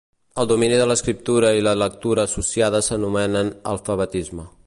El domini de l'escriptura i la lectura associada s'anomena alfabetisme.